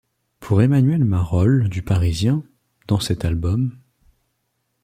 Pour Emmanuel Marolle du Parisien, dans cet album,